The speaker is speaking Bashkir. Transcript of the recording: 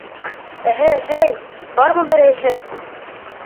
— Эһе-һей, бармы берәйһе?